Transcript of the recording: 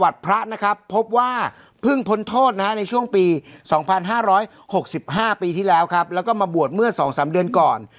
สิบห้าปีที่แล้วครับแล้วก็มาบวชเมื่อสองสามเดือนก่อน